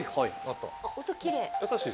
音きれい。